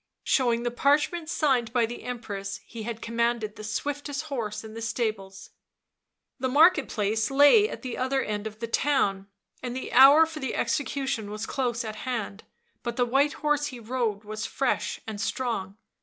Showing the parchment signed by the Empress, he had commanded the swiftest horse in the stables. The market place lay at the other end of the town; and the hour for the execution tv as close at hand — but the white horse he rode was fresh and strong.